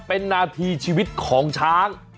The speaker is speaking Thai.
เป็นนาทีชีวิตของช้าง